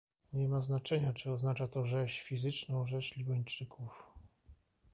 Nie ma znaczenia, czy oznacza to rzeź, fizyczną rzeź Libańczyków